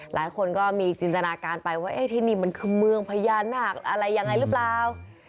หลายคนก็มีจินตนาการไปว่าที่นี่มันคือเมืองพญานาคอะไรยังไงหรือเปล่า